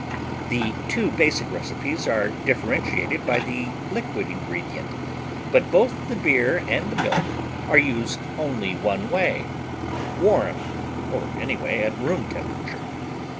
The two basic recipes are differentiated by the liquid ingredient, but both the beer and the milk are used only one way warm, or anyway at room temperature.